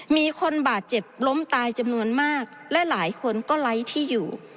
มีคนบาดเจ็บล้มตายจำนวนมากและหลายคนก็ไร้ที่อยู่